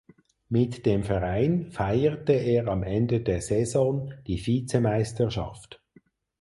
Mit dem Verein feierte er am Ende der Saison die Vizemeisterschaft.